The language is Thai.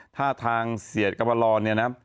ถ้าทางเสียกำมาลองนี่นะ